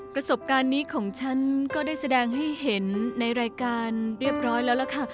ประสบการณ์นี้ของฉันก็ได้แสดงให้เห็นในรายการเรียบร้อยแล้วล่ะค่ะ